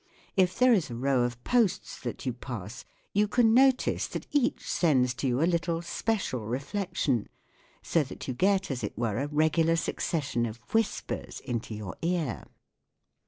If there is a row of posts that you pass you can notice that each sends to you a little special reflection, so that you get as it were a regular succession of whispers 1 into your ear.